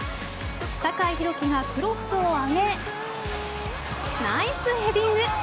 酒井宏樹がクロスを上げナイスヘディング。